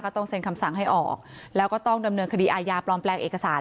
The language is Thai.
เพราะฉะนั้นการปลอมแปลงเอกสาร